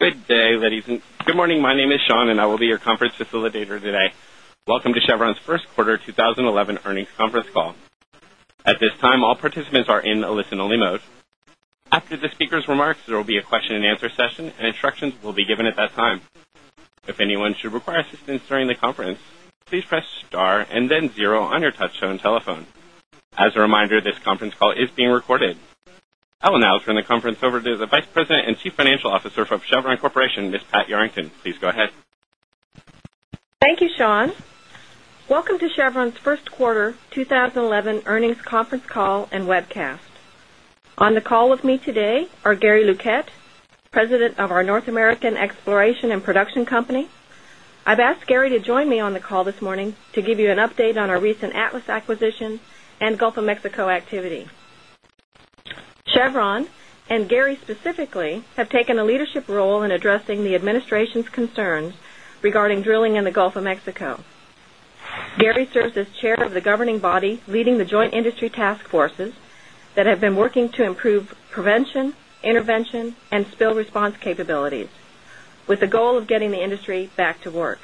Good day, ladies and good morning. My name is Sean, and I will be your conference facilitator today. Welcome to Chevron's First Quarter 2011 Earnings Conference Call. At this time, all participants are in a listen-only mode. After the speaker's remarks, there will be a question and answer session, and instructions will be given at that time. If anyone should require assistance during the conference, please press star and then zero on your touch-tone telephone. As a reminder, this conference call is being recorded. I will now turn the conference over to the Vice President and Chief Financial Officer for Chevron Corporation, Ms. Pat Yarrington. Please go ahead. Thank you, Sean. Welcome to Chevron's First Quarter 2011 Earnings Conference Call and Webcast. On the call with me today are Gary Luquette, President of our North American Exploration and Production Company. I've asked Gary to join me on the call this morning to give you an update on our recent Atlas acquisition and Gulf of Mexico activity. Chevron and Gary specifically have taken a leadership role in addressing the administration's concerns regarding drilling in the Gulf of Mexico. Gary serves as Chair of the governing body leading the joint industry task forces that have been working to improve prevention, intervention, and spill response capabilities with the goal of getting the industry back to work.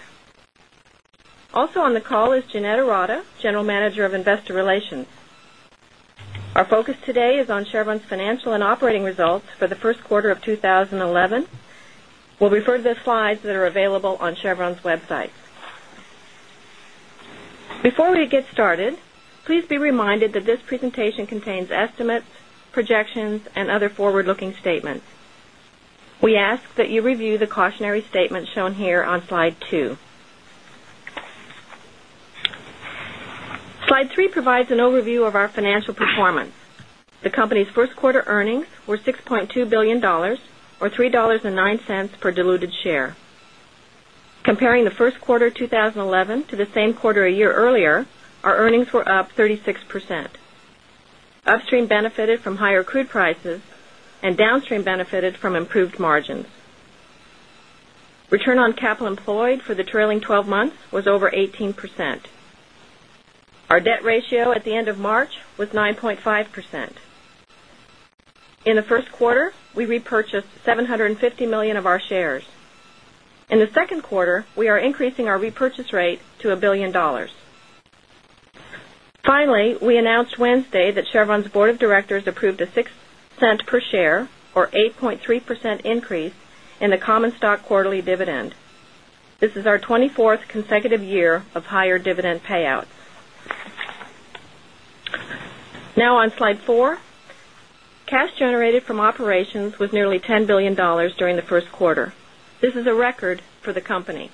Also on the call is Jeanette Ourada, General Manager of investor relation. Our focus today is on Chevron's financial and operating results for the first quarter of 2011. We'll refer to the slides that are available on Chevron's website. Before we get started, please be reminded that this presentation contains estimates, projections, and other forward-looking statements. We ask that you review the cautionary statement shown here on slide two. Slide three provides an overview of our financial performance. The company's first quarter earnings were $6.2 billion or $3.09 per diluted share. Comparing the first quarter 2011 to the same quarter a year earlier, our earnings were up 36%. Upstream benefited from higher crude prices, and downstream benefited from improved margins. Return on capital employed for the trailing 12 months was over 18%. Our debt ratio at the end of March was 9.5%. In the first quarter, we repurchased $750 million of our shares. In the second quarter, we are increasing our repurchase rate to $1 billion. Finally, we announced Wednesday that Chevron's Board of Directors approved a $0.06 per share or 8.3% increase in the common stock quarterly dividend. This is our 24th consecutive year of higher dividend payouts. Now on slide four, cash generated from operations was nearly $10 billion during the first quarter. This is a record for the company.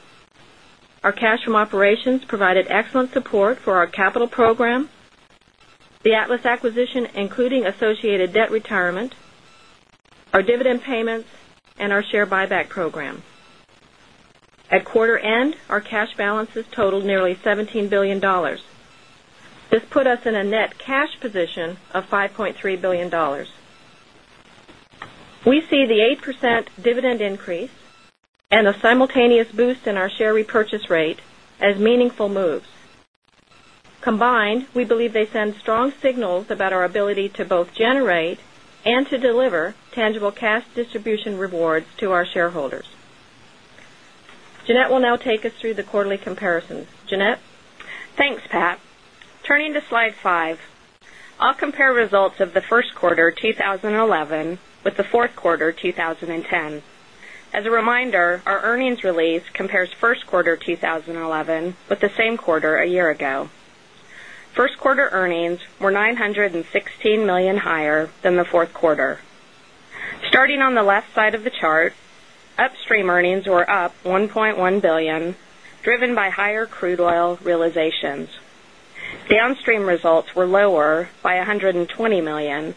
Our cash from operations provided excellent support for our capital program, the Atlas acquisition, including associated debt retirement, our dividend payments, and our share buyback program. At quarter end, our cash balances totaled nearly $17 billion. This put us in a net cash position of $5.3 billion. We see the 8% dividend increase and the simultaneous boost in our share repurchase rate as meaningful moves. Combined, we believe they send strong signals about our ability to both generate and to deliver tangible cash distribution rewards to our shareholders. Jeanette will now take us through the quarterly comparison. Jeanette? Thanks, Pat. Turning to slide five, I'll compare results of the first quarter 2011 with the fourth quarter 2010. As a reminder, our earnings release compares first quarter 2011 with the same quarter a year ago. First quarter earnings were $916 million higher than the fourth quarter. Starting on the left side of the chart, upstream earnings were up $1.1 billion, driven by higher crude oil realizations. The downstream results were lower by $120 million.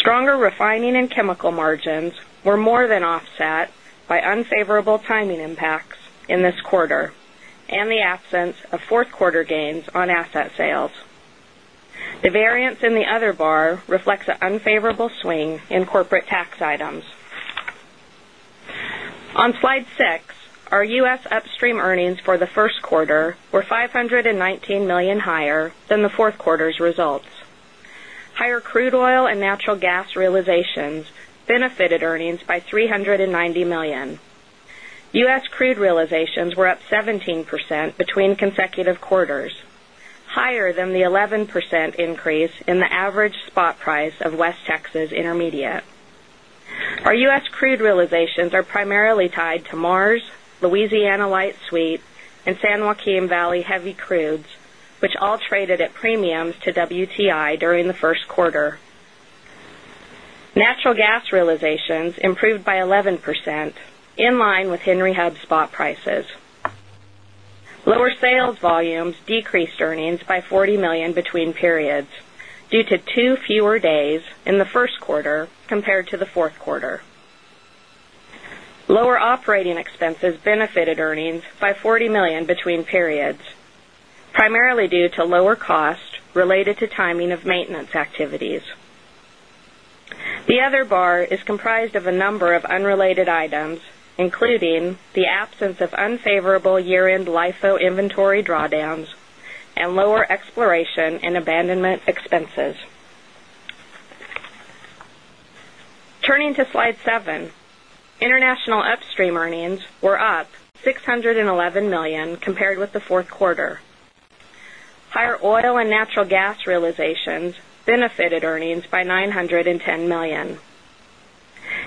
Stronger refining and chemical margins were more than offset by unfavorable timing impacts in this quarter and the absence of fourth quarter gains on asset sales. The variance in the other bar reflects an unfavorable swing in corporate tax items. On slide six, our U.S. upstream earnings for the first quarter were $519 million higher than the fourth quarter's results. Higher crude oil and natural gas realizations benefited earnings by $390 million. U.S. crude realizations were up 17% between consecutive quarters, higher than the 11% increase in the average spot price of West Texas Intermediate. Our U.S. crude realizations are primarily tied to Mars, Louisiana Light Sweet, and San Joaquin Valley heavy crudes, which all traded at premiums to WTI during the first quarter. Natural gas realizations improved by 11%, in line with Henry Hub spot prices. Lower sales volumes decreased earnings by $40 million between periods due to two fewer days in the first quarter compared to the fourth quarter. Lower operating expenses benefited earnings by $40 million between periods, primarily due to lower costs related to timing of maintenance activities. The other bar is comprised of a number of unrelated items, including the absence of unfavorable year-end LIFO inventory drawdowns and lower exploration and abandonment expenses. Turning to slide seven, international upstream earnings were up $611 million compared with the fourth quarter. Higher oil and natural gas realizations benefited earnings by $910 million.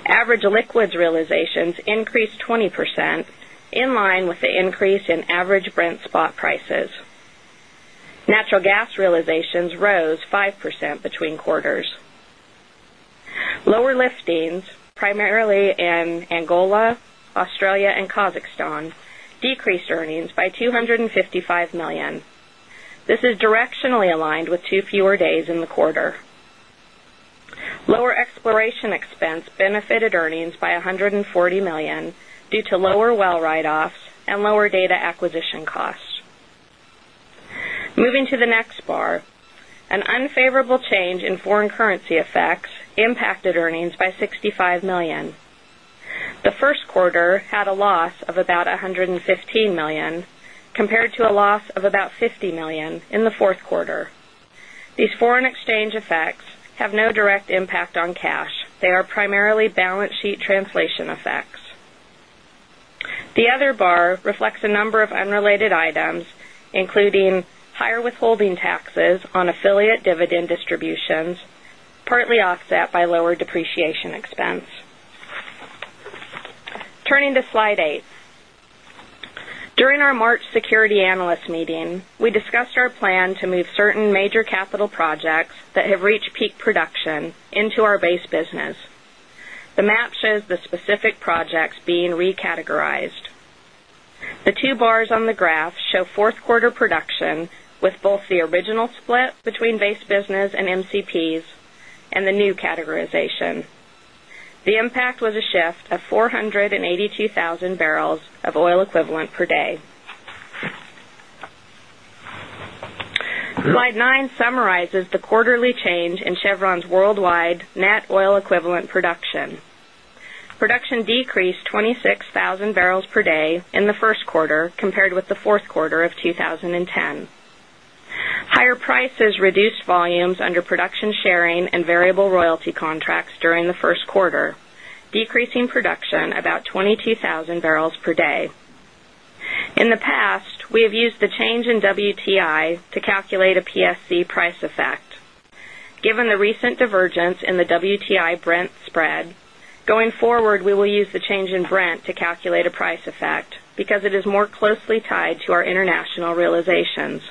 Average liquids realizations increased 20%, in line with the increase in average Brent spot prices. Natural gas realizations rose 5% between quarters. Lower liftings, primarily in Angola, Australia, and Kazakhstan, decreased earnings by $255 million. This is directionally aligned with two fewer days in the quarter. Lower exploration expense benefited earnings by $140 million due to lower well write-offs and lower data acquisition costs. Moving to the next bar, an unfavorable change in foreign currency effects impacted earnings by $65 million. The first quarter had a loss of about $115 million compared to a loss of about $50 million in the fourth quarter. These foreign exchange effects have no direct impact on cash, they are primarily balance sheet translation effects. The other bar reflects a number of unrelated items, including higher withholding taxes on affiliate dividend distributions, partly offset by lower depreciation expense. Turning to slide eight, during our March security analyst meeting, we discussed our plan to move certain major capital projects that have reached peak production into our base business. The map shows the specific projects being recategorized. The two bars on the graph show fourth quarter production with both the original split between base business and MCPs and the new categorization. The impact was a shift of 482,000 barrels of oil equivalent per day. Slide nine summarizes the quarterly change in Chevron's worldwide net oil equivalent production. Production decreased 26,000 barrels per day in the first quarter compared with the fourth quarter of 2010. Higher prices reduced volumes under production sharing and variable royalty contracts during the first quarter, decreasing production about 22,000 barrels per day. In the past, we have used the change in WTI to calculate a PSC price effect. Given the recent divergence in the WTI Brent spread, going forward, we will use the change in Brent to calculate a price effect because it is more closely tied to our international realizations.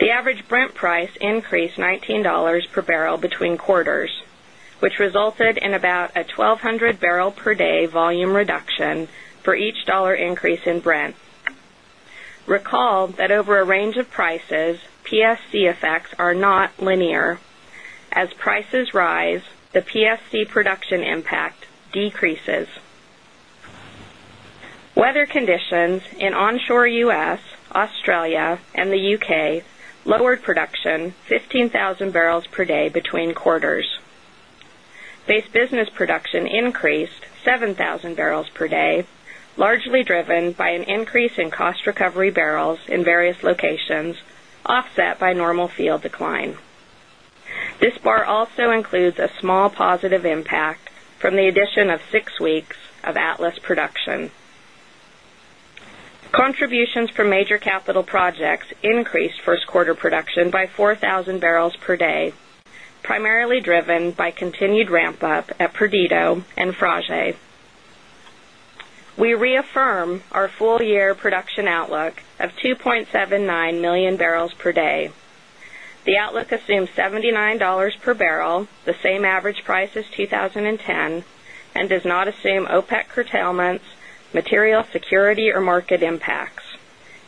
The average Brent price increased $19 per barrel between quarters, which resulted in about a 1,200 barrel per day volume reduction for each dollar increase in Brent. Recall that over a range of prices, PSC effects are not linear. As prices rise, the PSC production impact decreases. Weather conditions in onshore U.S., Australia, and the U.K. lowered production 15,000 barrels per day between quarters. Base business production increased 7,000 barrels per day, largely driven by an increase in cost recovery barrels in various locations, offset by normal field decline. This bar also includes a small positive impact from the addition of six weeks of Atlas production. Contributions from major capital projects increased first quarter production by 4,000 barrels per day, primarily driven by continued ramp-up at Perdido and Frade. We reaffirm our full-year production outlook of 2.79 million barrels per day. The outlook assumes $79 per barrel, the same average price as 2010, and does not assume OPEC curtailments, material security, or market impacts.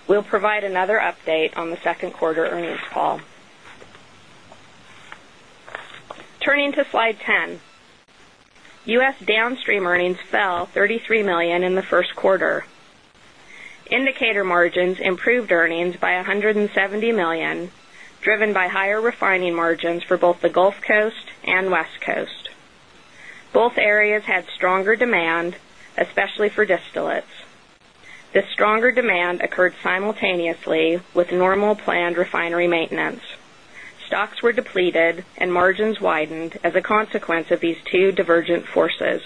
We'll provide another update on the second quarter earnings call. Turning to slide 10, U.S. downstream earnings fell $33 million in the first quarter. Indicator margins improved earnings by $170 million, driven by higher refining margins for both the Gulf Coast and West Coast. Both areas had stronger demand, especially for distillates. This stronger demand occurred simultaneously with normal planned refinery maintenance. Stocks were depleted and margins widened as a consequence of these two divergent forces.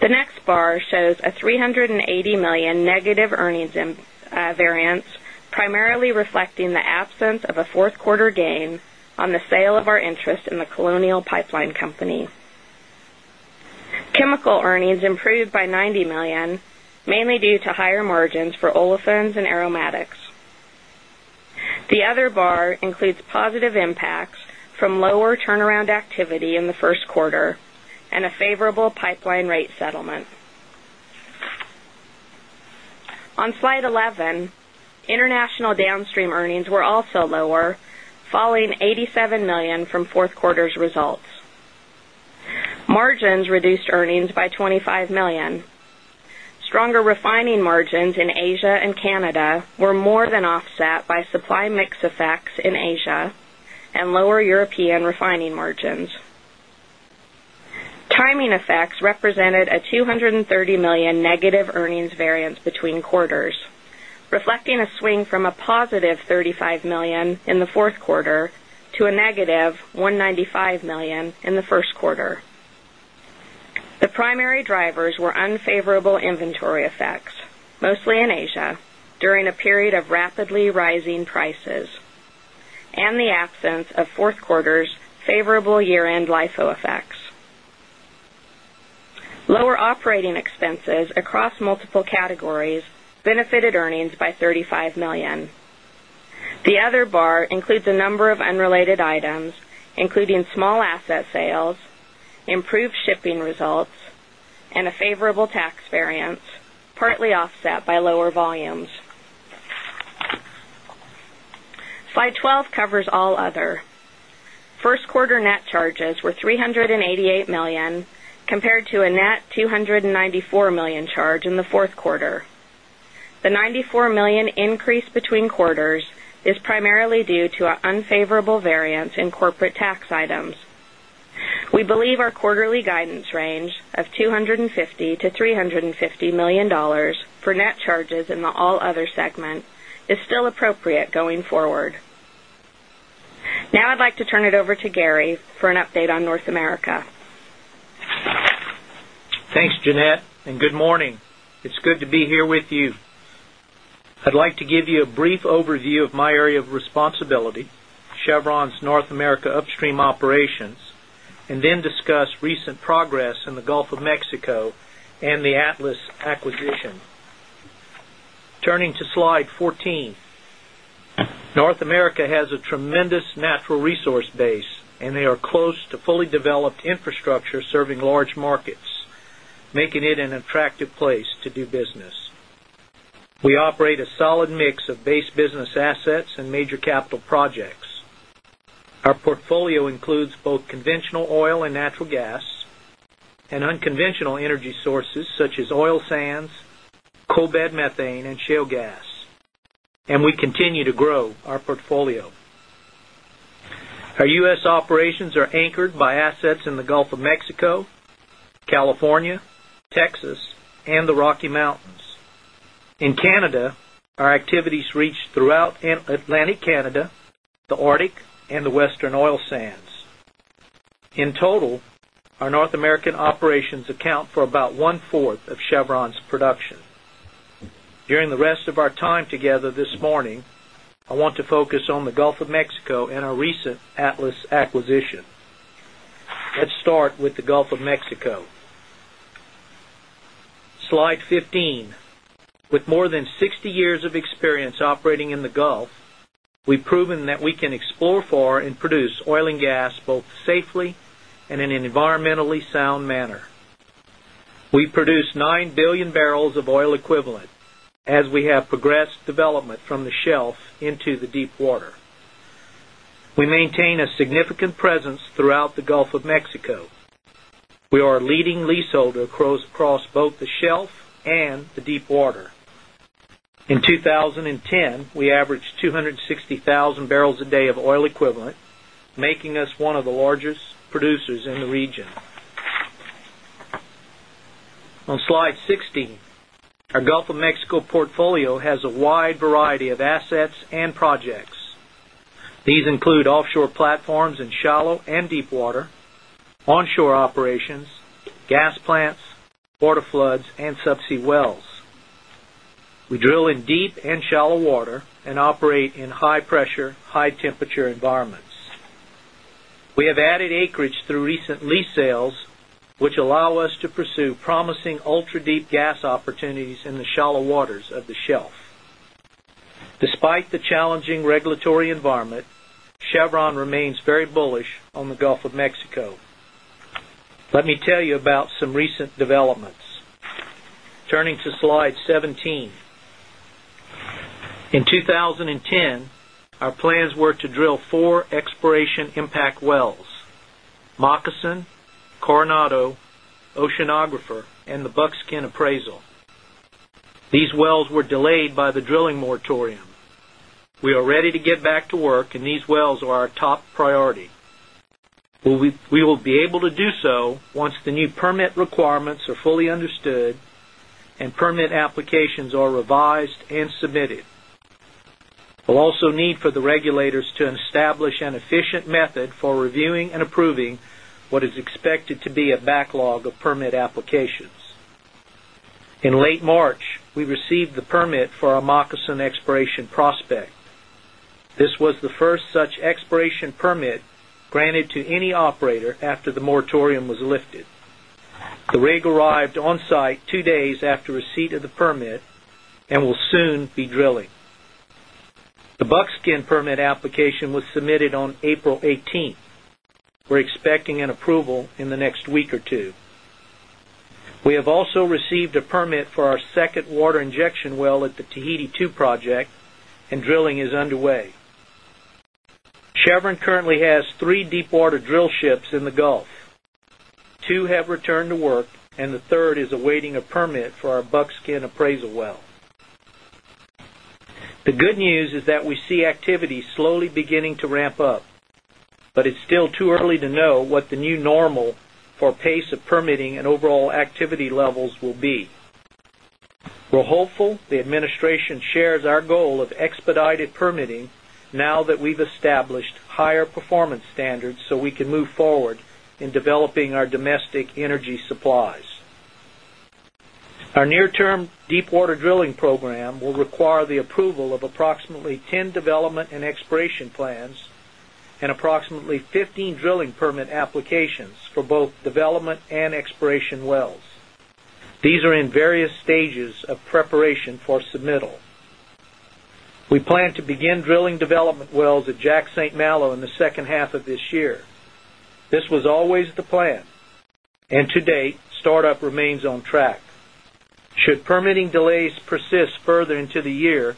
The next bar shows a $380 million negative earnings variance, primarily reflecting the absence of a fourth quarter gain on the sale of our interest in the Colonial Pipeline Company. Chemical earnings improved by $90 million, mainly due to higher margins for olefins and aromatics. The other bar includes positive impacts from lower turnaround activity in the first quarter and a favorable pipeline rate settlement. On slide 11, international downstream earnings were also lower, falling $87 million from fourth quarter's results. Margins reduced earnings by $25 million. Stronger refining margins in Asia and Canada were more than offset by supply mix effects in Asia and lower European refining margins. Timing effects represented a $230 million negative earnings variance between quarters, reflecting a swing from a positive $35 million in the fourth quarter to a negative $195 million in the first quarter. The primary drivers were unfavorable inventory effects, mostly in Asia, during a period of rapidly rising prices and the absence of fourth quarter's favorable year-end LIFO effects. Lower operating expenses across multiple categories benefited earnings by $35 million. The other bar includes a number of unrelated items, including small asset sales, improved shipping results, and a favorable tax variance, partly offset by lower volumes. Slide 12 covers all other. First quarter net charges were $388 million compared to a net $294 million charge in the fourth quarter. The $94 million increase between quarters is primarily due to an unfavorable variance in corporate tax items. We believe our quarterly guidance range of $250 million-$350 million for net charges in the all other segment is still appropriate going forward. Now I'd like to turn it over to Gary for an update on North America. Thanks, Jeanette, and good morning. It's good to be here with you. I'd like to give you a brief overview of my area of responsibilities, Chevron's North America upstream operations, and then discuss recent progress in the Gulf of Mexico and the Atlas acquisition. Turning to slide 14, North America has a tremendous natural resource base, and they are close to fully developed infrastructure serving large markets, making it an attractive place to do business. We operate a solid mix of base business assets and major capital projects. Our portfolio includes both conventional oil and natural gas and unconventional energy sources such as oil sands, coal bed methane, and shale gas, and we continue to grow our portfolio. Our U.S. operations are anchored by assets in the Gulf of Mexico, California, Texas, and the Rocky Mountains. In Canada, our activities reach throughout Atlantic Canada, the Arctic, and the Western oil sands. In total, our North American operations account for about one-fourth of Chevron's production. During the rest of our time together this morning, I want to focus on the Gulf of Mexico and our recent Atlas acquisition. Let's start with the Gulf of Mexico. Slide 15. With more than 60 years of experience operating in the Gulf, we've proven that we can explore far and produce oil and gas both safely and in an environmentally sound manner. We produce 9 billion barrels of oil equivalent as we have progressed development from the shelf into the deepwater. We maintain a significant presence throughout the Gulf of Mexico. We are a leading leaseholder across both the shelf and the deepwater. In 2010, we averaged 260,000 barrels a day of oil equivalent, making us one of the largest producers in the region. On slide 60, our Gulf of Mexico portfolio has a wide variety of assets and projects. These include offshore platforms in shallow and deepwater, onshore operations, gas plants, water floods, and subsea wells. We drill in deep and shallow water and operate in high-pressure, high-temperature environments. We have added acreage through recent lease sales, which allow us to pursue promising ultra-deep gas opportunities in the shallow waters of the shelf. Despite the challenging regulatory environment, Chevron remains very bullish on the Gulf of Mexico. Let me tell you about some recent developments. Turning to slide 17, in 2010, our plans were to drill four exploration impact wells: Moccasin, Coronado, Oceanographer, and the Buckskin appraisal. These wells were delayed by the drilling moratorium. We are ready to get back to work, and these wells are our top priority. We will be able to do so once the new permit requirements are fully understood and permit applications are revised and submitted. We'll also need for the regulators to establish an efficient method for reviewing and approving what is expected to be a backlog of permit applications. In late March, we received the permit for our Moccasin exploration prospect. This was the first such exploration permit granted to any operator after the moratorium was lifted. The rig arrived on site two days after receipt of the permit and will soon be drilling. The Buckskin permit application was submitted on April 18. We're expecting an approval in the next week or two. We have also received a permit for our second water injection well at the Tahiti Two project, and drilling is underway. Chevron currently has three deepwater drill ships in the Gulf of Mexico. Two have returned to work, and the third is awaiting a permit for our Buckskin appraisal well. The good news is that we see activity slowly beginning to ramp up, but it's still too early to know what the new normal for pace of permitting and overall activity levels will be. We're hopeful the administration shares our goal of expedited permitting now that we've established higher performance standards so we can move forward in developing our domestic energy supplies. Our near-term deepwater drilling program will require the approval of approximately 10 development and exploration plans and approximately 15 drilling permit applications for both development and exploration wells. These are in various stages of preparation for submittal. We plan to begin drilling development wells at Jack/St. Malo in the second half of this year. This was always the plan, and to date, startup remains on track. Should permitting delays persist further into the year,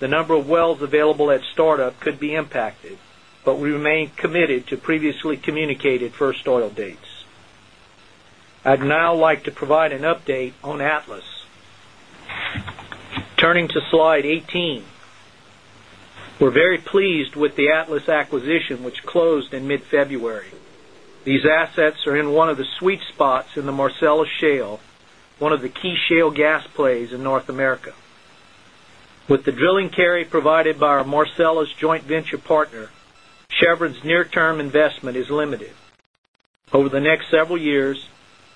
the number of wells available at startup could be impacted, but we remain committed to previously communicated first oil dates. I'd now like to provide an update on Atlas. Turning to slide 18, we're very pleased with the Atlas acquisition, which closed in mid-February. These assets are in one of the sweet spots in the Marcellus Shale, one of the key shale gas plays in North America. With the drilling carry provided by our Marcellus joint venture partner, Chevron's near-term investment is limited. Over the next several years,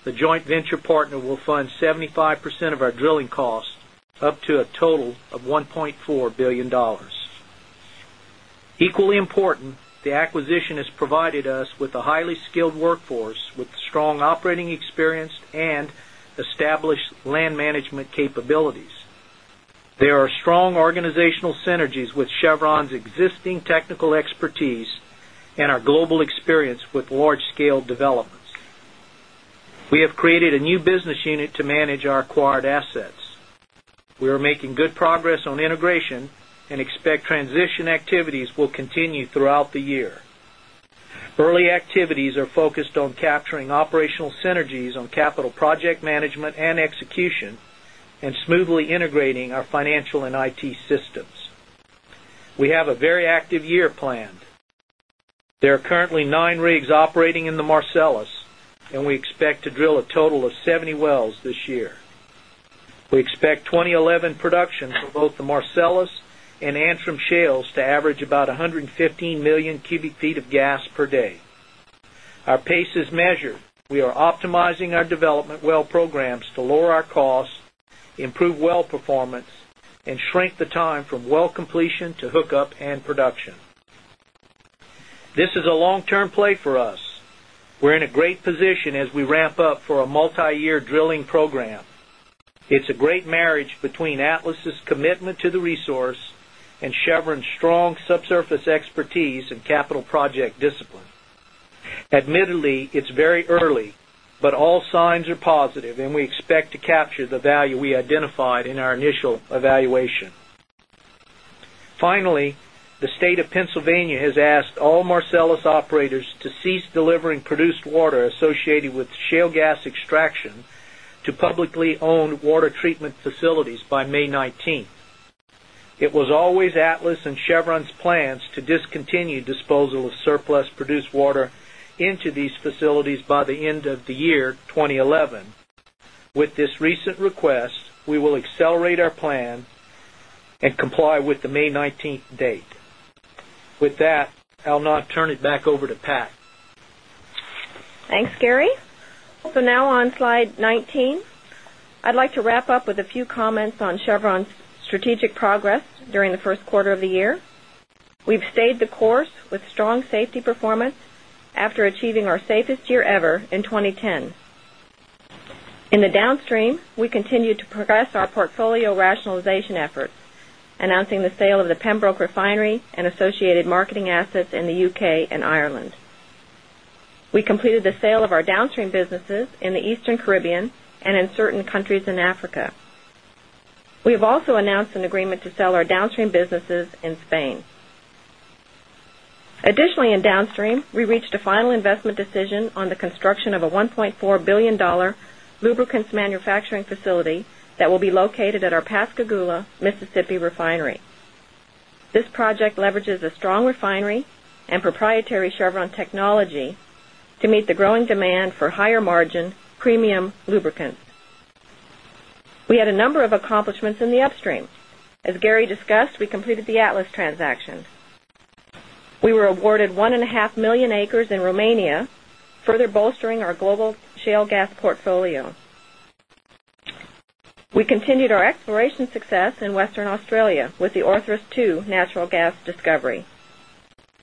the joint venture partner will fund 75% of our drilling costs up to a total of $1.4 billion. Equally important, the acquisition has provided us with a highly skilled workforce with strong operating experience and established land management capabilities. There are strong organizational synergies with Chevron's existing technical expertise and our global experience with large-scale developments. We have created a new business unit to manage our acquired assets. We are making good progress on integration and expect transition activities will continue throughout the year. Early activities are focused on capturing operational synergies on capital project management and execution and smoothly integrating our financial and IT systems. We have a very active year planned. There are currently nine rigs operating in the Marcellus, and we expect to drill a total of 70 wells this year. We expect 2011 production for both the Marcellus and Antrim Shale to average about 115 million cubic feet of gas per day. Our pace is measured. We are optimizing our development well programs to lower our costs, improve well performance, and shrink the time from well completion to hookup and production. This is a long-term play for us. We're in a great position as we ramp up for a multi-year drilling program. It's a great marriage between Atlas's commitment to the resource and Chevron's strong subsurface expertise and capital project discipline. Admittedly, it's very early, but all signs are positive, and we expect to capture the value we identified in our initial evaluation. Finally, the state of Pennsylvania has asked all Marcellus operators to cease delivering produced water associated with shale gas extraction to publicly owned water treatment facilities by May 19. It was always Atlas and Chevron's plans to discontinue disposal of surplus produced water into these facilities by the end of the year 2011. With this recent request, we will accelerate our plan and comply with the May 19th date. With that, I'll now turn it back over to Pat. Thanks, Gary. Now on slide 19, I'd like to wrap up with a few comments on Chevron's strategic progress during the first quarter of the year. We've stayed the course with strong safety performance after achieving our safest year ever in 2010. In the downstream, we continued to progress our portfolio rationalization efforts, announcing the sale of the Pembroke Refinery and associated marketing assets in the U.K. and Ireland. We completed the sale of our downstream businesses in the Eastern Caribbean and in certain countries in Africa. We have also announced an agreement to sell our downstream businesses in Spain. Additionally, in downstream, we reached a final investment decision on the construction of a $1.4 billion lubricants manufacturing facility that will be located at our Pascagoula, Mississippi refinery. This project leverages a strong refinery and proprietary Chevron technology to meet the growing demand for higher margin premium lubricants. We had a number of accomplishments in the upstream. As Gary discussed, we completed the Atlas transaction. We were awarded 1.5 million acres in Romania, further bolstering our global shale gas portfolio. We continued our exploration success in Western Australia with the Authors II natural gas discovery,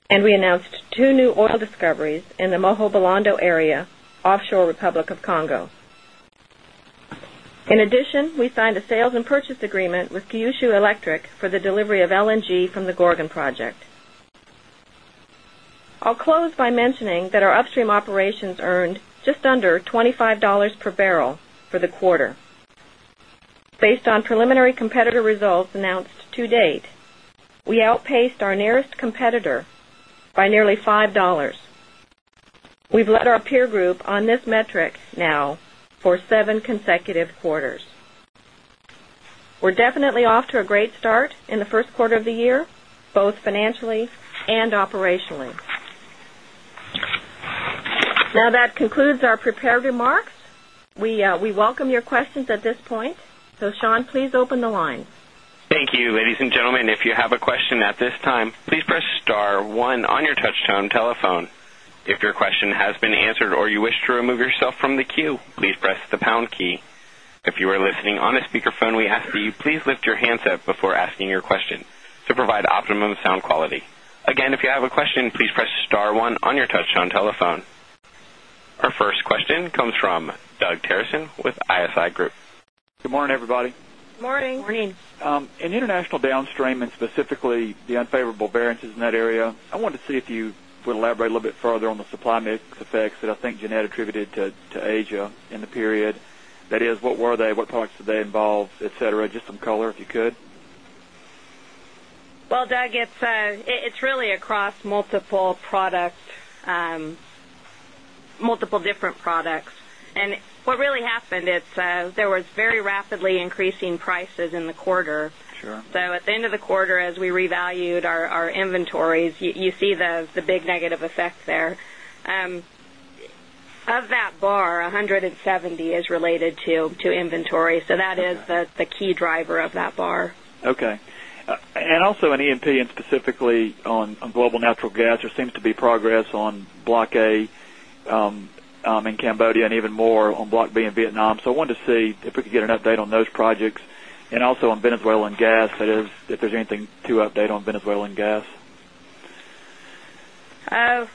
and we announced two new oil discoveries in the Moho-Bilondo area, offshore Republic of Congo. In addition, we signed a sales and purchase agreement with Kyushu Electric for the delivery of LNG from the Gorgon project. I'll close by mentioning that our upstream operations earned just under $25 per barrel for the quarter. Based on preliminary competitor results announced to date, we outpaced our nearest competitor by nearly $5. We've led our peer group on this metric now for seven consecutive quarters. We're definitely off to a great start in the first quarter of the year, both financially and operationally. That concludes our prepared remarks. We welcome your questions at this point. Sean, please open the line. Thank you, ladies and gentlemen. If you have a question at this time, please press star one on your touch-tone telephone. If your question has been answered or you wish to remove yourself from the queue, please press the pound key. If you are listening on a speakerphone, we ask that you please lift your handset before asking your question to provide optimum sound quality. Again, if you have a question, please press star one on your touch-tone telephone. Our first question comes from Doug Terreson with ISI Group. Good morning, everybody. Morning. Morning. In international downstream and specifically the unfavorable variances in that area, I wanted to see if you would elaborate a little bit further on the supply mix effects that I think Jeanette attributed to Asia in the period. That is, what were they? What products did they involve, etc.? Just some color, if you could. Doug, it's really across multiple products, multiple different products. What really happened is there were very rapidly increasing prices in the quarter. Sure. At the end of the quarter, as we revalued our inventories, you see the big negative effect there. Yeah. Of that bar, $170 million is related to inventory. That is the key driver of that bar. Okay. Also in E&P and specifically on global natural gas, there seems to be progress on Block A in Cambodia and even more on Block B in Vietnam. I wanted to see if we could get an update on those projects and also on Venezuelan gas, that is, if there's anything to update on Venezuelan gas.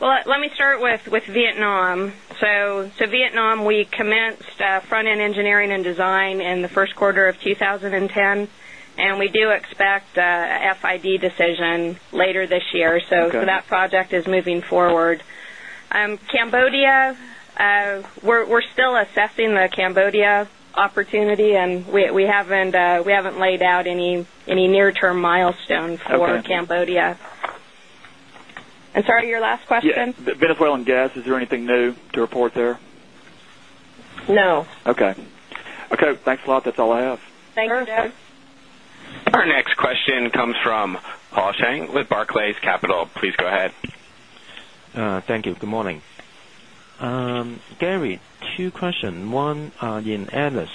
Let me start with Vietnam. Vietnam, we commenced front-end engineering and design in the first quarter of 2010, and we do expect an FID decision later this year. Okay. That project is moving forward. Cambodia, we're still assessing the Cambodia opportunity, and we haven't laid out any near-term milestones for Cambodia. Okay. I'm sorry, your last question? Yeah. Venezuelan gas, is there anything new to report there? No. Okay. Thanks a lot. That's all I have. Thank you, Doug. Our next question comes from Paul Cheng with Barclays Capital. Please go ahead. Thank you. Good morning. Gary, two questions. One, in Atlas,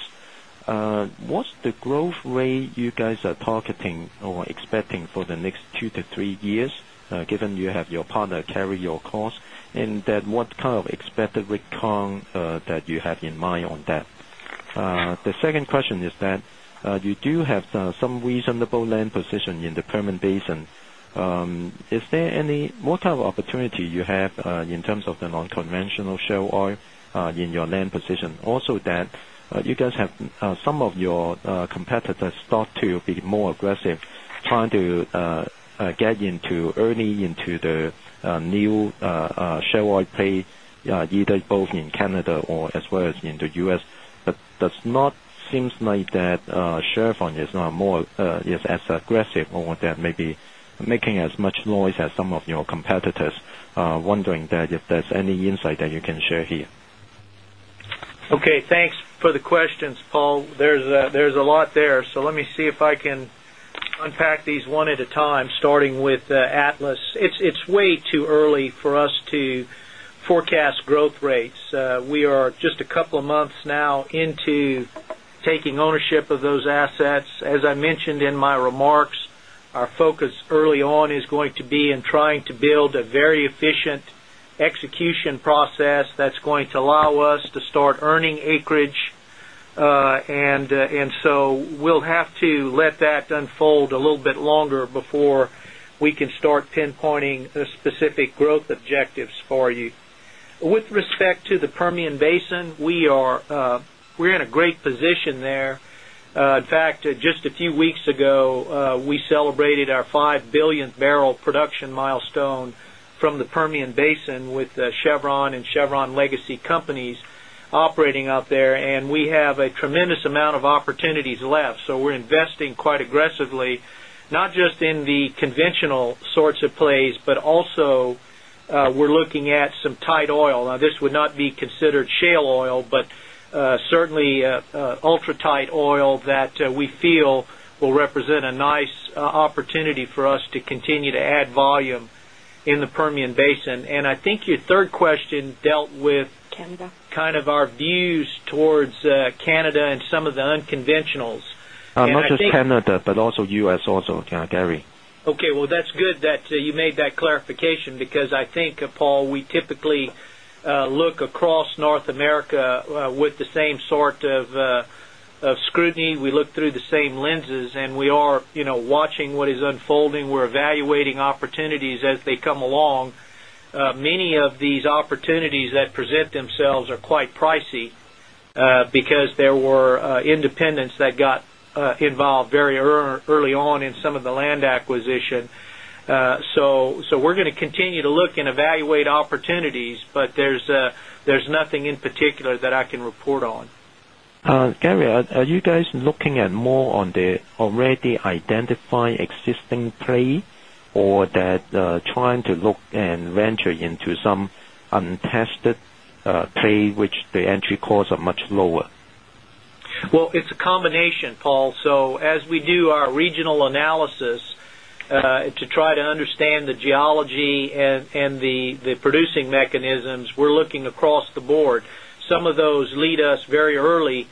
what's the growth rate you guys are targeting or expecting for the next 2-3 years, given you have your partner carry your costs, and then what kind of expected return that you have in mind on that? The second question is that you do have some reasonable land position in the Permian Basin. Is there any what kind of opportunity you have in terms of the unconventional shale oil in your land position? Also, you guys have some of your competitors start to be more aggressive trying to get in early into the new shale oil play, either both in Canada or as well as in the U.S. It does not seem like Chevron is as aggressive or maybe making as much noise as some of your competitors. Wondering if there's any insight that you can share here. Okay. Thanks for the questions, Paul. There's a lot there. Let me see if I can unpack these one at a time, starting with Atlas. It's way too early for us to forecast growth rates. We are just a couple of months now into taking ownership of those assets. As I mentioned in my remarks, our focus early on is going to be in trying to build a very efficient execution process that's going to allow us to start earning acreage. We'll have to let that unfold a little bit longer before we can start pinpointing specific growth objectives for you. With respect to the Permian Basin, we're in a great position there. In fact, just a few weeks ago, we celebrated our 5 billion barrel production milestone from the Permian Basin with Chevron and Chevron Legacy companies operating out there. We have a tremendous amount of opportunities left. We're investing quite aggressively, not just in the conventional sorts of plays, but also we're looking at some tight oil. This would not be considered shale oil, but certainly ultra-tight oil that we feel will represent a nice opportunity for us to continue to add volume in the Permian Basin. I think your third question dealt with. Canada. Kind of our views towards Canada and some of the unconventionals. Not just Canada, but also the U.S., also, Gary. Okay. That's good that you made that clarification because I think, Paul, we typically look across North America with the same sort of scrutiny. We look through the same lenses, and we are watching what is unfolding. We're evaluating opportunities as they come along. Many of these opportunities that present themselves are quite pricey because there were independents that got involved very early on in some of the land acquisition. We're going to continue to look and evaluate opportunities, but there's nothing in particular that I can report on. Gary, are you guys looking at more on the already identified existing play, or trying to look and venture into some untested play where the entry costs are much lower? It is a combination, Paul. As we do our regional analysis to try to understand the geology and the producing mechanisms, we're looking across the board. Some of those lead us very early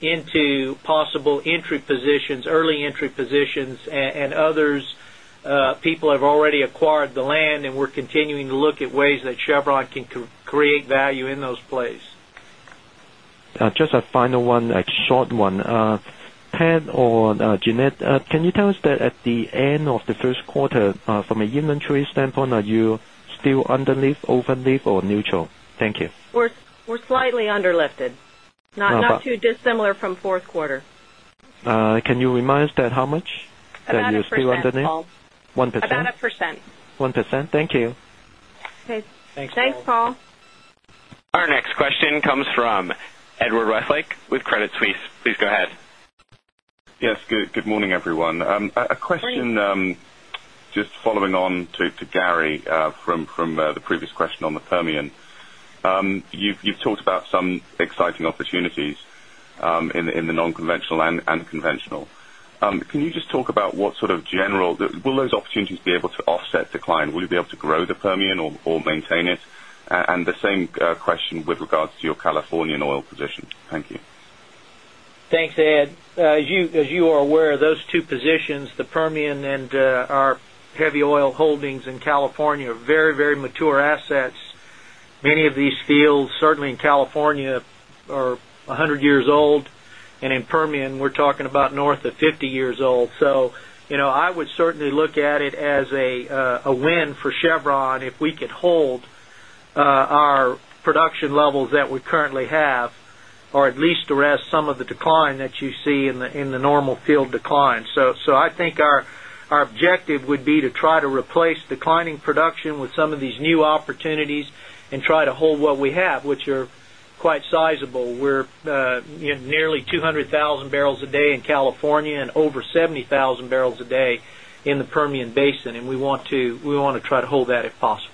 into possible entry positions, early entry positions, and others. People have already acquired the land, and we're continuing to look at ways that Chevron can create value in those plays. Just a final one, a short one. Pat or Jeanette, can you tell us that at the end of the first quarter, from an inventory standpoint, are you still underneath, overneath, or neutral? Thank you. We're slightly underlifted, not too dissimilar from fourth quarter. Can you remind us how much that you're still underneath? At 1%. 1%. 1%. 1%. Thank you. Okay. Thanks, Janette. Thanks, Paul. Our next question comes from Edward Westlake with Credit Suisse. Please go ahead. Yes. Good morning, everyone. A question just following on to Gary from the previous question on the Permian. You've talked about some exciting opportunities in the unconventional and conventional. Can you just talk about what sort of general will those opportunities be able to offset decline? Will you be able to grow the Permian or maintain it? The same question with regards to your Californian oil position. Thank you. Thanks, Ed. As you are aware, those two positions, the Permian and our heavy oil holdings in California, are very, very mature assets. Many of these fields, certainly in California, are 100 years old, and in the Permian, we're talking about north of 50 years old. I would certainly look at it as a win for Chevron if we could hold our production levels that we currently have or at least arrest some of the decline that you see in the normal field decline. I think our objective would be to try to replace declining production with some of these new opportunities and try to hold what we have, which are quite sizable. We're nearly 200,000 barrels a day in California and over 70,000 barrels a day in the Permian Basin, and we want to try to hold that if possible.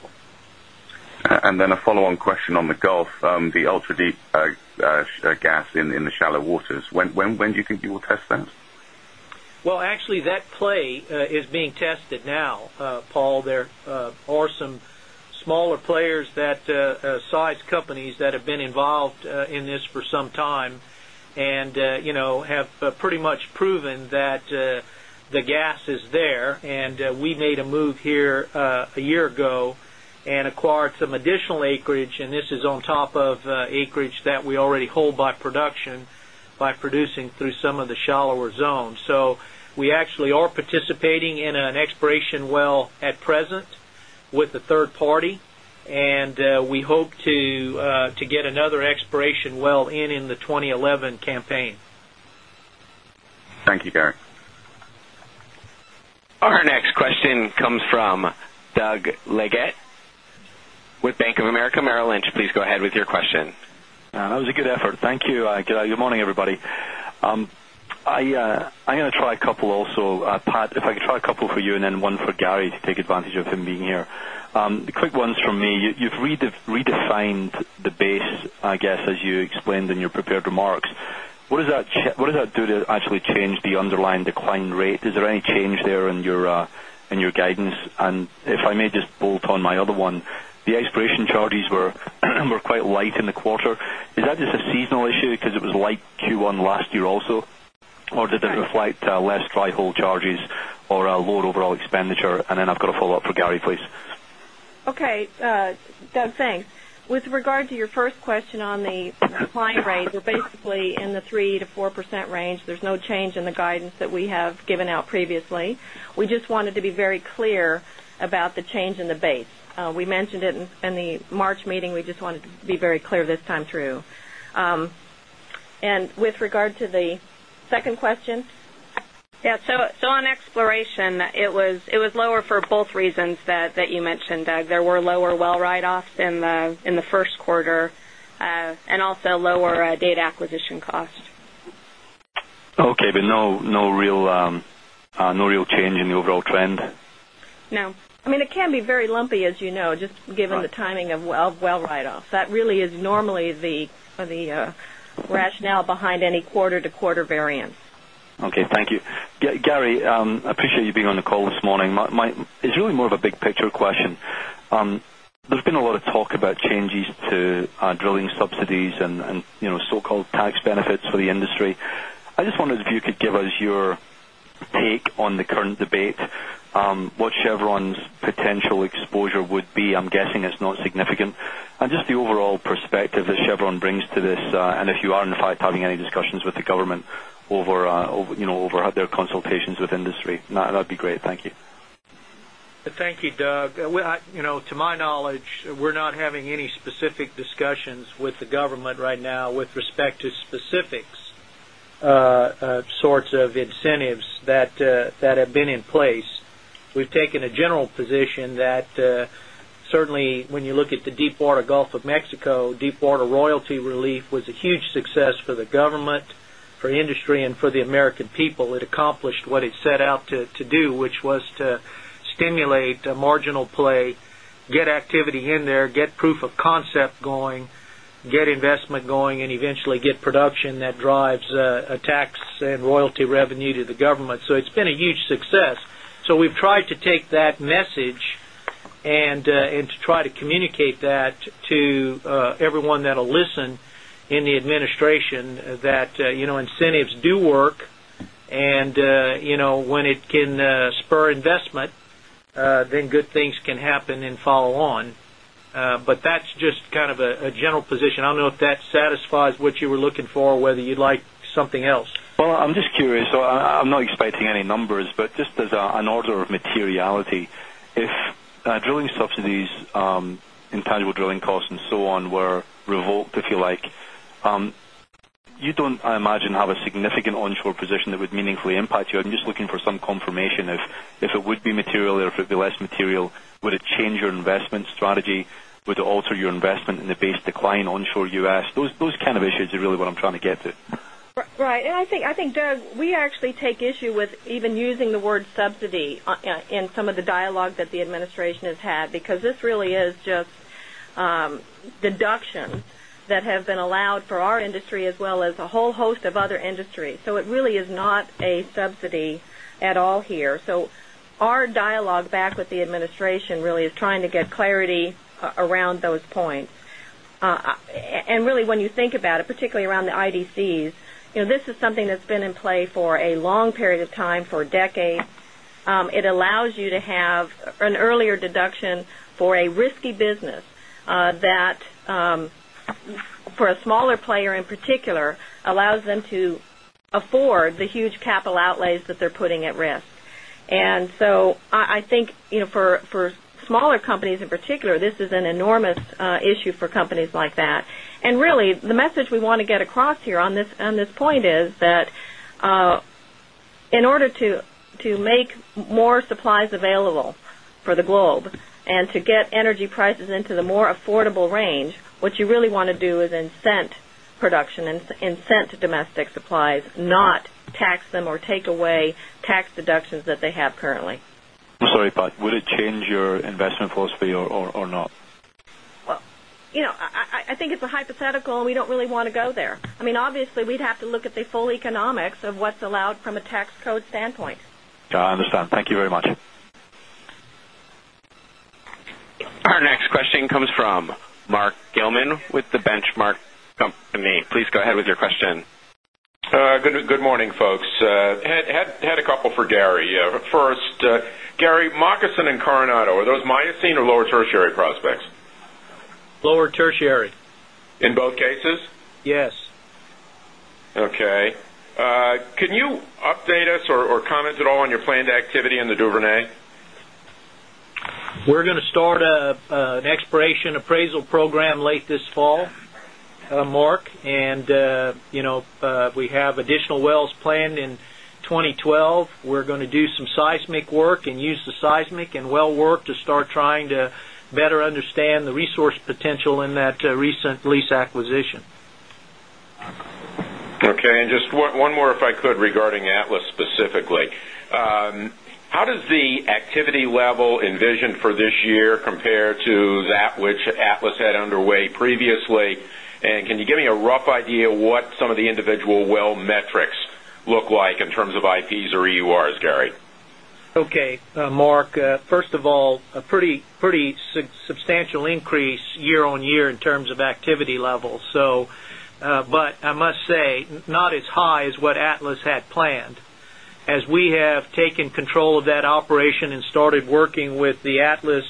A follow-on question on the Gulf, the ultra-deep gas in the shallow waters. When do you think you will test that? That play is being tested now, Paul. There are some smaller players, size companies that have been involved in this for some time and have pretty much proven that the gas is there. We made a move here a year ago and acquired some additional acreage, and this is on top of acreage that we already hold by production by producing through some of the shallower zones. We actually are participating in an exploration well at present with a third party, and we hope to get another exploration well in in the 2011 campaign. Thank you, Gary. Our next question comes from Doug Leggate with Bank of America Merrill Lynch. Please go ahead with your question. That was a good effort. Thank you. Good morning, everybody. I'm going to try a couple also, Pat. If I could try a couple for you and then one for Gary to take advantage of him being here. The quick ones from me. You've redefined the base, I guess, as you explained in your prepared remarks. What does that do to actually change the underlying decline rate? Is there any change there in your guidance? If I may just bolt on my other one, the exploration charges were quite light in the quarter. Is that just a seasonal issue because it was light Q1 last year also, or did it reflect less tri-hole charges or lower overall expenditure? I've got to follow up for Gary, please. Okay. Doug, thanks. With regard to your first question on the decline rate, they're basically in the 3%-4% range. There's no change in the guidance that we have given out previously. We just wanted to be very clear about the change in the base. We mentioned it in the March meeting. We just wanted to be very clear this time through. With regard to the second question. On exploration, it was lower for both reasons that you mentioned, Doug. There were lower well write-offs in the first quarter and also lower data acquisition costs. Okay, no real change in the overall trend? No, I mean, it can be very lumpy, as you know, just given the timing of well write-offs. That really is normally the rationale behind any quarter-to-quarter variance. Okay. Thank you. Gary, I appreciate you being on the call this morning. It's really more of a big-picture question. There's been a lot of talk about changes to drilling subsidies and so-called tax benefits for the industry. I just wondered if you could give us your take on the current debate, what Chevron's potential exposure would be. I'm guessing it's not significant. Just the overall perspective that Chevron brings to this, and if you are, in fact, having any discussions with the government over their consultations with industry, that'd be great. Thank you. Thank you, Doug. To my knowledge, we're not having any specific discussions with the government right now with respect to specific sorts of incentives that have been in place. We've taken a general position that certainly, when you look at the deepwater Gulf of Mexico, deepwater royalty relief was a huge success for the government, for industry, and for the American people. It accomplished what it set out to do, which was to stimulate marginal play, get activity in there, get proof of concept going, get investment going, and eventually get production that drives a tax and royalty revenue to the government. It has been a huge success. We've tried to take that message and to try to communicate that to everyone that'll listen in the administration that incentives do work, and when it can spur investment, then good things can happen and follow on. That's just kind of a general position. I don't know if that satisfies what you were looking for or whether you'd like something else. I'm just curious. I'm not expecting any numbers, but just as an order of materiality, if drilling subsidies, intangible drilling costs, and so on were revoked, if you like, you don't, I imagine, have a significant onshore position that would meaningfully impact you. I'm just looking for some confirmation if it would be material or if it'd be less material. Would it change your investment strategy? Would it alter your investment in the base decline onshore U.S.? Those kind of issues are really what I'm trying to get to. Right. I think, Doug, we actually take issue with even using the word subsidy in some of the dialogue that the administration has had because this really is just deductions that have been allowed for our industry as well as a whole host of other industries. It really is not a subsidy at all here. Our dialogue back with the administration really is trying to get clarity around those points. When you think about it, particularly around the IDC, this is something that's been in play for a long period of time, for a decade. It allows you to have an earlier deduction for a risky business that, for a smaller player in particular, allows them to afford the huge capital outlays that they're putting at risk. I think for smaller companies in particular, this is an enormous issue for companies like that. The message we want to get across here on this point is that in order to make more supplies available for the globe and to get energy prices into the more affordable range, what you really want to do is incent production and incent domestic supplies, not tax them or take away tax deductions that they have currently. I'm sorry, but would it change your investment philosophy or not? I think it's a hypothetical, and we don't really want to go there. I mean, obviously, we'd have to look at the full economics of what's allowed from a tax code standpoint. I understand. Thank you very much. Our next question comes from Mark Gilman with The Benchmark Company. Please go ahead with your question. Good morning, folks. Had a couple for Gary. First, Gary, Moccasin and Coronado, are those Miocene or Lower Tertiary prospects? Lower tertiary. In both cases? Yes. Okay. Can you update us or comment at all on your planned activity in the Duvernay? We're going to start an exploration appraisal program late this fall, Mark, and you know we have additional wells planned in 2012. We're going to do some seismic work and use the seismic and well work to start trying to better understand the resource potential in that recent lease acquisition. Okay. Just one more, if I could, regarding Atlas specifically. How does the activity level envisioned for this year compare to that which Atlas had underway previously? Can you give me a rough idea of what some of the individual well metrics look like in terms of IPs or EURs, Gary? Okay, Mark. First of all, a pretty substantial increase year on year in terms of activity level. I must say, not as high as what Atlas had planned. As we have taken control of that operation and started working with the Atlas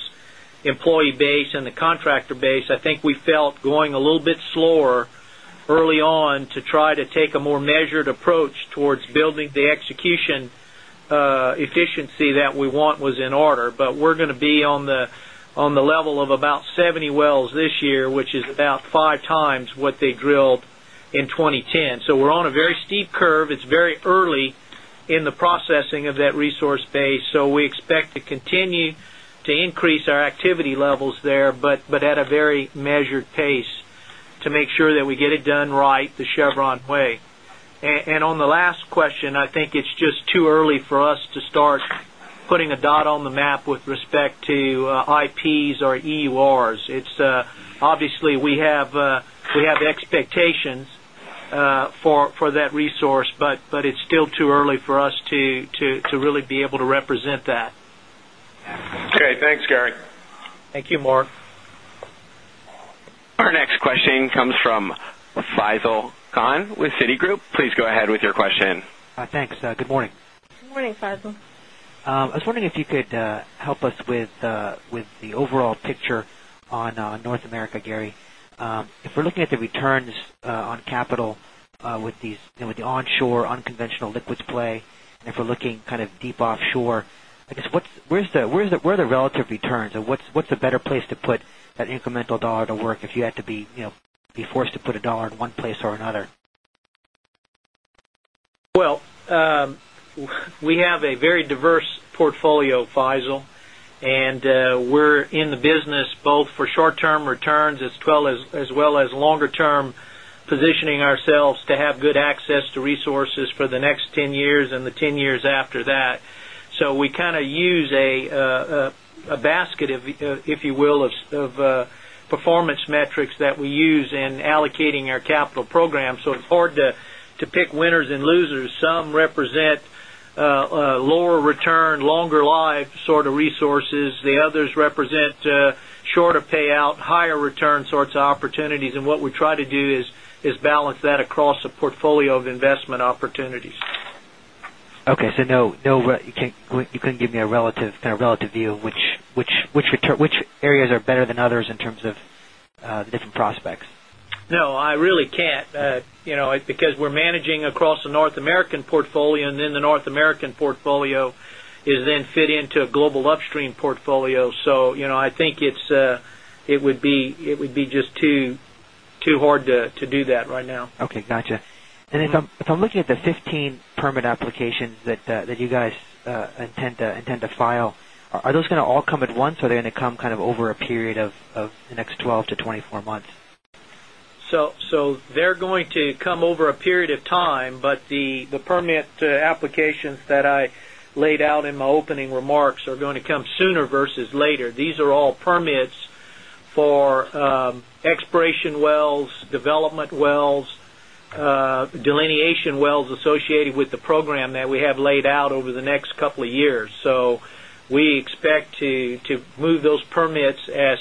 employee base and the contractor base, I think we felt going a little bit slower early on to try to take a more measured approach towards building the execution efficiency that we want was in order. We're going to be on the level of about 70 wells this year, which is about five times what they drilled in 2010. We're on a very steep curve. It's very early in the processing of that resource base. We expect to continue to increase our activity levels there, but at a very measured pace to make sure that we get it done right the Chevron way. On the last question, I think it's just too early for us to start putting a dot on the map with respect to IPs or EURs. Obviously, we have expectations for that resource, but it's still too early for us to really be able to represent that. Okay. Thanks, Gary. Thank you, Mark. Our next question comes from Faisel Khan with Citigroup. Please go ahead with your question. Thanks. Good morning. Morning, Faisel. I was wondering if you could help us with the overall picture on North America, Gary. If we're looking at the returns on capital with the onshore unconventional liquids play, and if we're looking kind of deep offshore, I guess where are the relative returns? What's a better place to put that incremental dollar to work if you had to be forced to put a dollar in one place or another? We have a very diverse portfolio, Faisel, and we're in the business both for short-term returns as well as longer-term positioning ourselves to have good access to resources for the next 10 years and the 10 years after that. We kind of use a basket, if you will, of performance metrics that we use in allocating our capital program. It's hard to pick winners and losers. Some represent lower return, longer live sort of resources. The others represent shorter payout, higher return sorts of opportunities. What we try to do is balance that across a portfolio of investment opportunities. Okay. No, you couldn't give me a kind of relative view of which areas are better than others in terms of the different prospects? No, I really can't because we're managing across the North American portfolio, and then the North American portfolio is then fed into a global upstream portfolio. I think it would be just too hard to do that right now. Okay. Gotcha. If I'm looking at the 15 permit applications that you guys intend to file, are those going to all come at once, or are they going to come over a period of the next 12-24 months? The permit applications that I laid out in my opening remarks are going to come sooner versus later. These are all permits for exploration wells, development wells, delineation wells associated with the program that we have laid out over the next couple of years. We expect to move those permits as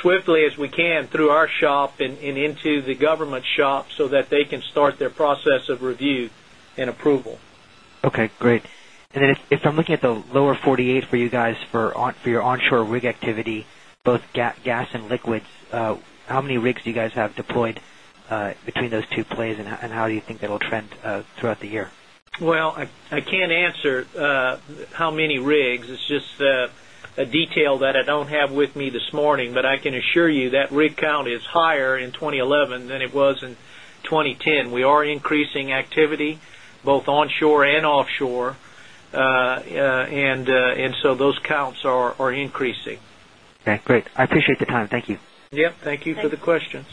swiftly as we can through our shop and into the government shop so that they can start their process of review and approval. Okay. Great. If I'm looking at the lower 48 for you guys for your onshore rig activity, both gas and liquids, how many rigs do you guys have deployed between those two plays, and how do you think that'll trend throughout the year? I can't answer how many rigs. It's just a detail that I don't have with me this morning, but I can assure you that rig count is higher in 2011 than it was in 2010. We are increasing activity both onshore and offshore, and those counts are increasing. Okay. Great. I appreciate the time. Thank you. Yeah, thank you for the questions.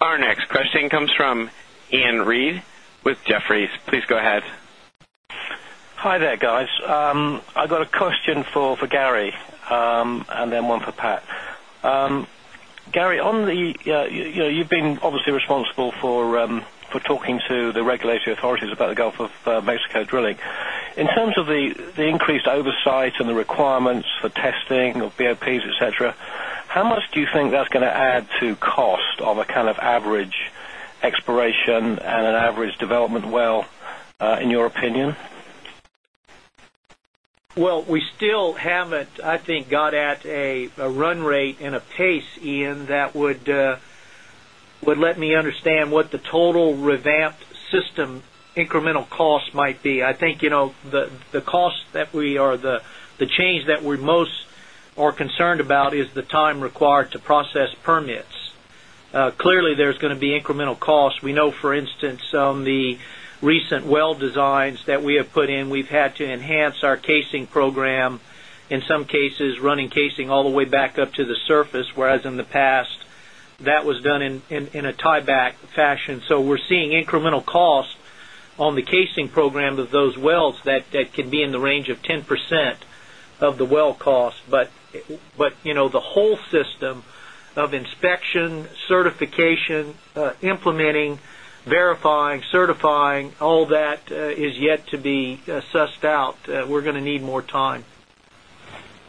Our next question comes from Iain Reid with Jefferies. Please go ahead. Hi there, guys. I've got a question for Gary and then one for Pat. Gary, you've been obviously responsible for talking to the regulatory authorities about the Gulf of Mexico drilling. In terms of the increased oversight and the requirements for testing of VOPs, etc., how much do you think that's going to add to cost of a kind of average exploration and an average development well, in your opinion? I think we still haven't got at a run rate and a pace, Iain, that would let me understand what the total revamped system incremental cost might be. I think you know the cost that we are, the change that we most are concerned about is the time required to process permits. Clearly, there's going to be incremental costs. We know, for instance, on the recent well designs that we have put in, we've had to enhance our casing program, in some cases, running casing all the way back up to the surface, whereas in the past, that was done in a tieback fashion. We're seeing incremental costs on the casing program of those wells that could be in the range of 10% of the well cost. The whole system of inspection, certification, implementing, verifying, certifying, all that is yet to be sussed out. We're going to need more time.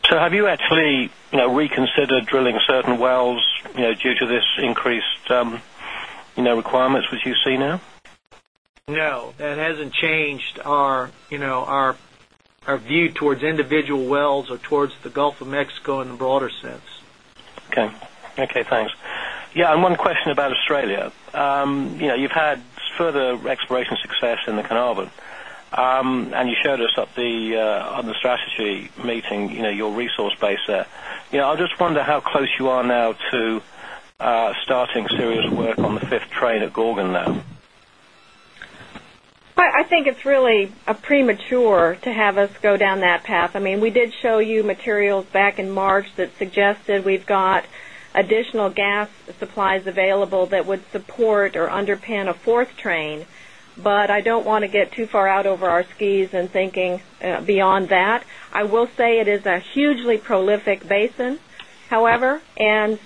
Have you actually reconsidered drilling certain wells due to this increased requirements which you see now? No, that hasn't changed our view towards individual wells or towards the Gulf of Mexico in the broader sense. Okay. Thanks. Yeah. One question about Australia. You've had further exploration success in the Carnarvon, and you showed us up on the strategy meeting your resource base there. I just wonder how close you are now to starting serious work on the fifth train at Gorgon now. I think it's really premature to have us go down that path. I mean, we did show you materials back in March that suggested we've got additional gas supplies available that would support or underpin a fourth train, but I don't want to get too far out over our skis in thinking beyond that. I will say it is a hugely prolific basin, however, and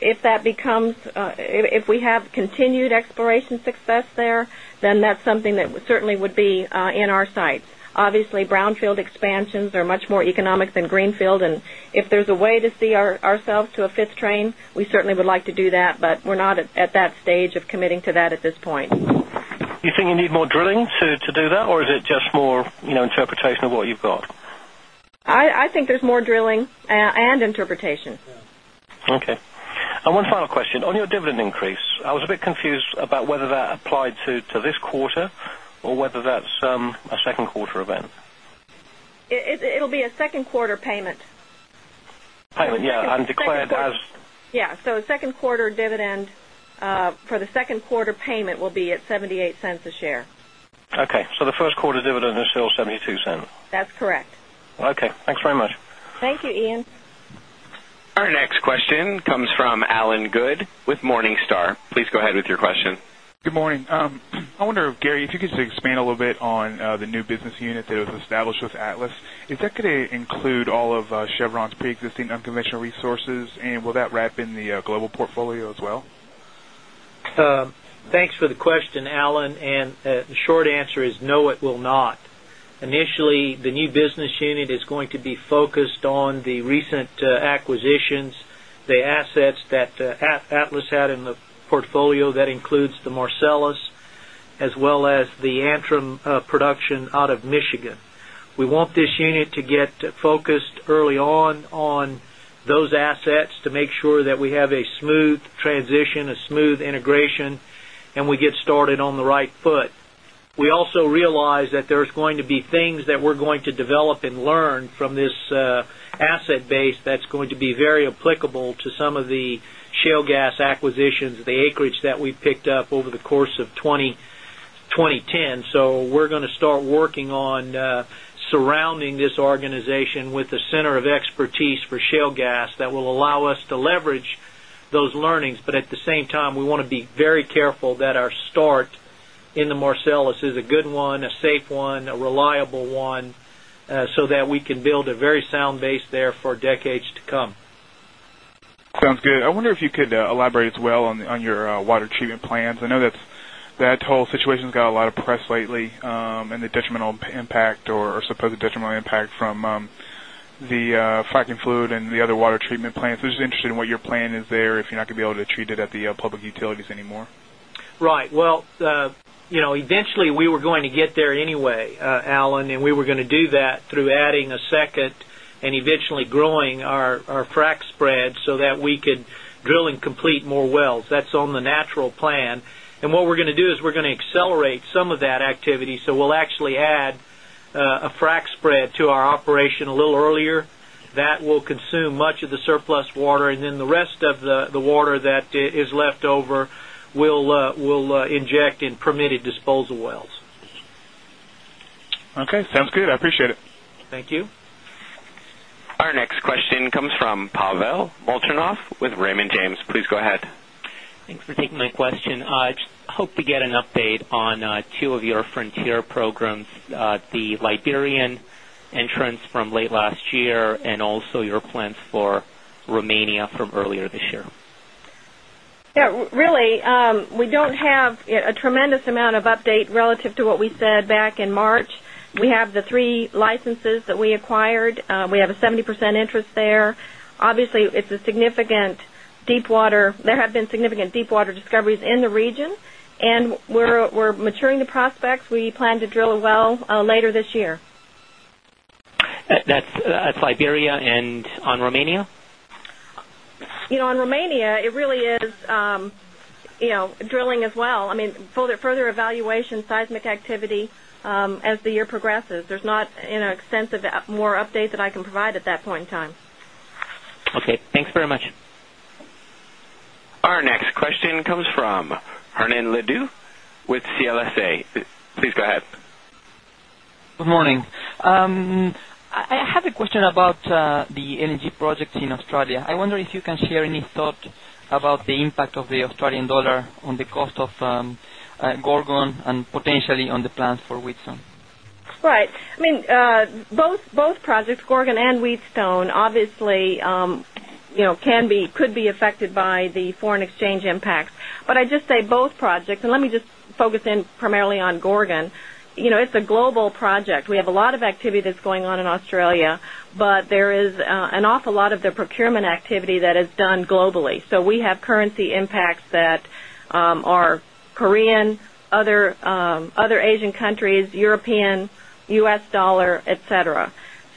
if we have continued exploration success there, then that's something that certainly would be in our sights. Obviously, brownfield expansions are much more economic than greenfield, and if there's a way to see ourselves to a fifth train, we certainly would like to do that, but we're not at that stage of committing to that at this point. Do you think you need more drilling to do that, or is it just more interpretation of what you've got? I think there's more drilling and interpretation. Okay. One final question. On your dividend increase, I was a bit confused about whether that applied to this quarter or whether that's a second quarter event. It'll be a second quarter payment. Payment, yeah, and declared as. A second quarter dividend for the second quarter payment will be at $0.78 a share. The first quarter dividend is still $0.72. That's correct. Okay, thanks very much. Thank you, Iain. Our next question comes from Allen Good with Morningstar. Please go ahead with your question. Good morning. I wonder, Gary, if you could just expand a little bit on the new business unit that was established with Atlas. Is that going to include all of Chevron's preexisting unconventional resources, and will that wrap in the global portfolio as well? Thanks for the question, Allen. The short answer is no, it will not. Initially, the new business unit is going to be focused on the recent acquisitions, the assets that Atlas had in the portfolio that includes the Marcellus as well as the Antrim production out of Michigan. We want this unit to get focused early on those assets to make sure that we have a smooth transition, a smooth integration, and we get started on the right foot. We also realize that there's going to be things that we're going to develop and learn from this asset base that's going to be very applicable to some of the shale gas acquisitions, the acreage that we picked up over the course of 2010. We are going to start working on surrounding this organization with a center of expertise for shale gas that will allow us to leverage those learnings. At the same time, we want to be very careful that our start in the Marcellus is a good one, a safe one, a reliable one so that we can build a very sound base there for decades to come. Sounds good. I wonder if you could elaborate as well on your water treatment plans. I know that whole situation's got a lot of press lately and the detrimental impact or supposed detrimental impact from the fracking fluid and the other water treatment plants. I'm just interested in what your plan is there if you're not going to be able to treat it at the public utilities anymore. Right. You know eventually, we were going to get there anyway, Allen, and we were going to do that through adding a second and eventually growing our frack spread so that we could drill and complete more wells. That is on the natural plan. What we're going to do is accelerate some of that activity. We'll actually add a frack spread to our operation a little earlier, which will consume much of the surplus water, and then the rest of the water that is left over we'll inject in permitted disposal wells. Okay, sounds good. I appreciate it. Thank you. Our next question comes from Pavel Molchanov with Raymond James. Please go ahead. Thanks for taking my question. I just hope to get an update on two of your frontier programs, the Liberian entrance from late last year and also your plans for Romania from earlier this year. Really, we don't have a tremendous amount of update relative to what we said back in March. We have the three licenses that we acquired. We have a 70% interest there. Obviously, it's a significant deepwater. There have been significant deepwater discoveries in the region, and we're maturing the prospects. We plan to drill a well later this year. That's Liberia. On Romania, you know. On Romania, it really is drilling as well. I mean, further evaluation, seismic activity as the year progresses. There's not an extensive more update that I can provide at that point in time. Okay, thanks very much. Our next question comes from Hernán Ladeuix with CLSA. Please go ahead. Good morning. I have a question about the energy projects in Australia. I wonder if you can share any thoughts about the impact of the Australian dollar on the cost of Gorgon and potentially on the plans for Wheatstone. Right. I mean, both projects, Gorgon and Wheatstone, obviously could be affected by the foreign exchange impacts. I just say both projects, and let me just focus in primarily on Gorgon. It's a global project. We have a lot of activity that's going on in Australia, but there is an awful lot of the procurement activity that is done globally. We have currency impacts that are Korean, other Asian countries, European, U.S. dollar, et cetera.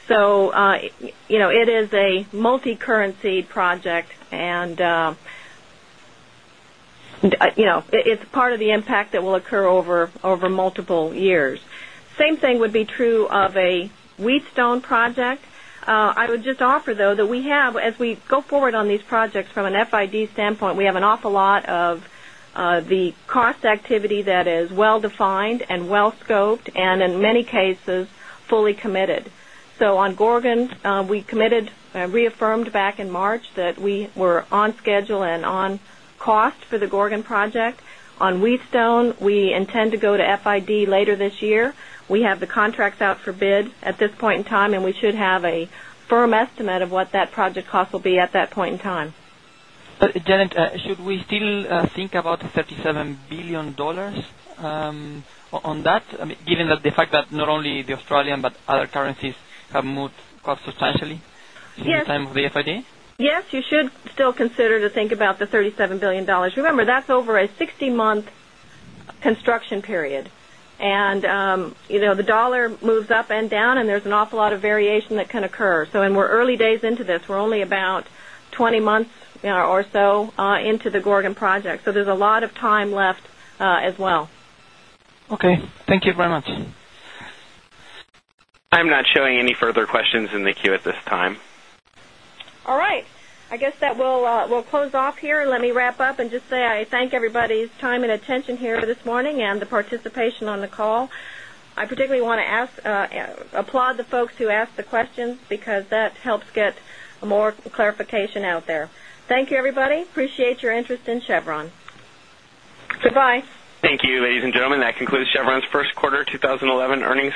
It is a multi-currency project, and it's part of the impact that will occur over multiple years. The same thing would be true of a Wheatstone project. I would just offer, though, that we have, as we go forward on these projects from an FID standpoint, an awful lot of the cost activity that is well-defined and well-scoped and, in many cases, fully committed. On Gorgon, we committed, reaffirmed back in March that we were on schedule and on cost for the Gorgon project. On Wheatstone, we intend to go to FID later this year. We have the contracts out for bid at this point in time, and we should have a firm estimate of what that project cost will be at that point in time. Jeanet, should we still think about the $37 billion on that, given the fact that not only the Australian but other currencies have moved costs substantially since the time of the FID? Yes, you should still consider to think about the $37 billion. Remember, that's over a 60-month construction period. The dollar moves up and down, and there's an awful lot of variation that can occur. In our early days into this, we're only about 20 months or so into the Gorgon project. There's a lot of time left as well. Okay, thank you very much. I'm not showing any further questions in the queue at this time. All right. I guess that we'll close off here. Let me wrap up and just say I thank everybody's time and attention here this morning and the participation on the call. I particularly want to applaud the folks who asked the questions because that helps get more clarification out there. Thank you, everybody. Appreciate your interest in Chevron. Goodbye. Thank you, ladies and gentlemen. That concludes Chevron Corporation's first quarter 2011 earnings.